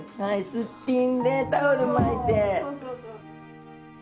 すっぴんでタオル巻いて。